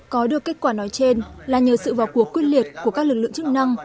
có được kết quả nói trên là nhờ sự vào cuộc quyết liệt của các lực lượng chức năng